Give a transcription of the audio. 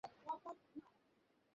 দেখনা, কিছুই দেখা যাচ্ছে না।